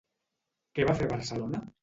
Què va fer a Barcelona?